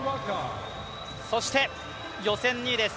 そして予選２位です